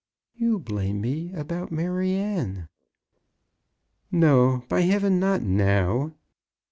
"You blame me about Maryanne." "No, by heaven; not now."